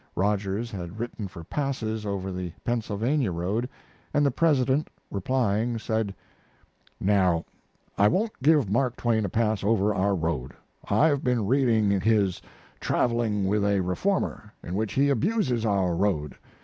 Rogers had written for passes over the Pennsylvania road, and the president, replying, said: "No, I won't give Mark Twain a pass over our road. I've been reading his 'Traveling with a Reformer,' in which he abuses our road.